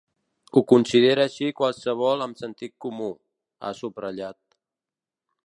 “Ho considera així qualsevol amb sentit comú”, ha subratllat.